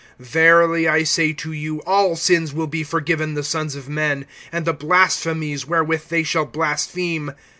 (28)Verily I say to you, all sins will be forgiven the sons of men, and the blasphemies wherewith they shall blaspheme.